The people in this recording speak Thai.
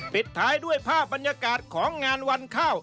ปิดท้ายด้วยภาพบรรยากาศของงานวันข้าว